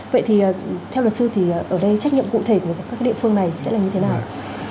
vậy thì theo luật sư thì ở đây trách nhiệm cụ thể của các địa phương này sẽ là như thế nào